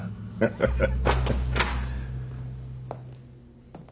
ハハハハハ。